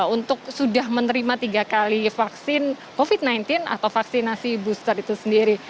untuk sudah menerima tiga kali vaksin covid sembilan belas atau vaksinasi booster itu sendiri